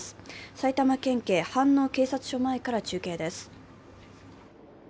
埼玉県警飯能警察署前から中継です。